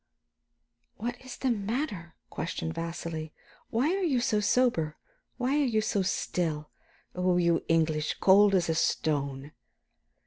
"What is the matter?" questioned Vasili. "Why are you so sober; why are you so still? Oh, you English, cold as a stone!"